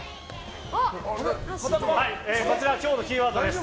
今日のキーワードです。